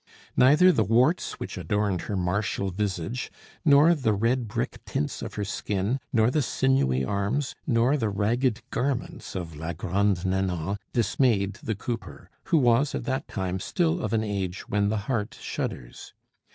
Neither the warts which adorned her martial visage, nor the red brick tints of her skin, nor the sinewy arms, nor the ragged garments of la Grande Nanon, dismayed the cooper, who was at that time still of an age when the heart shudders.